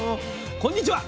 こんにちは。